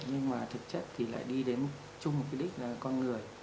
nhưng mà thực chất thì lại đi đến chung một cái đích là con người